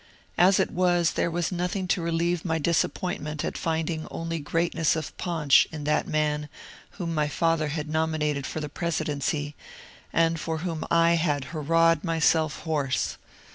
As it was, there was nothing to relieve my disappointment at finding only greatness of paunch in that man whom my father had nominated for the presidency, and for whom I had hurrahed myself hoarse.